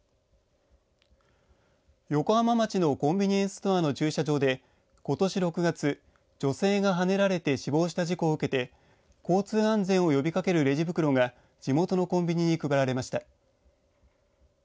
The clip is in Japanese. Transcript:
横浜町のコンビニエンスストアの駐車場でことし６月、女性がはねられて死亡した事故を受けて交通安全を呼びかけるレジ袋が地元のコンビニに配られました。